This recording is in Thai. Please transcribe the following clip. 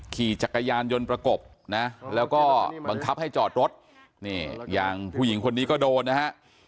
ขี่จักรยานยนต์ประกบนะแล้วก็บังคับให้จอดรถนี่อย่างผู้หญิงคนนี้ก็โดนนะฮะ